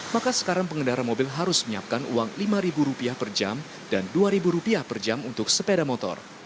maka sekarang pengendara mobil harus menyiapkan uang lima rupiah per jam dan dua rupiah per jam untuk sepeda motor